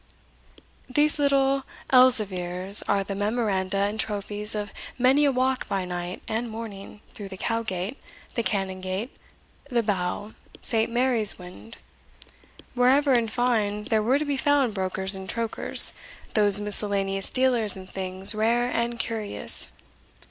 These little Elzevirs are the memoranda and trophies of many a walk by night and morning through the Cowgate, the Canongate, the Bow, St. Mary's Wynd, wherever, in fine, there were to be found brokers and trokers, those miscellaneous dealers in things rare and curious.